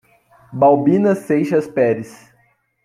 Baubina Seixas Peres